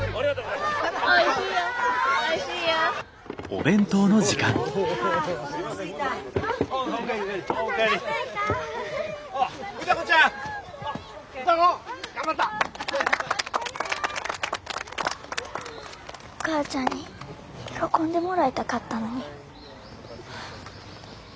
お母ちゃんに喜んでもらいたかったのに。